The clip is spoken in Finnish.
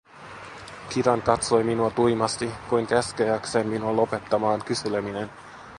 Kiran katsoi minua tuimasti, kuin käskeäkseen minua lopettamaan kyseleminen.